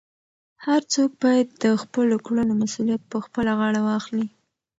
هر څوک باید د خپلو کړنو مسؤلیت په خپله غاړه واخلي.